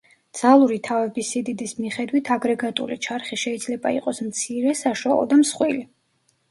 ძალური თავების სიდიდის მიხედვით აგრეგატული ჩარხი შიძლება იყოს მცირე, საშუალო და მსხვილი.